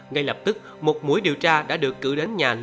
ngay lập tức một mối điều tra đã được cử đến nhà trung tâm